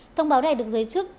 thông báo này được giới chức